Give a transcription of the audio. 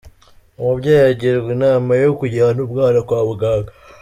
Umubyeyi agirwa inama yo kujyana umwana kwa muganga.